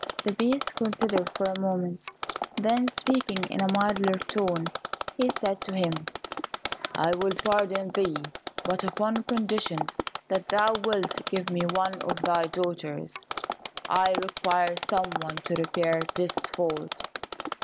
The Beast considered for a moment, then, speaking in a milder tone, he said to him, "I will pardon thee, but upon condition that thou wilt give me one of thy daughters I require some one to repair this fault."